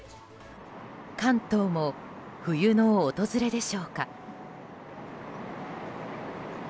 関東も冬の訪れでしょうか。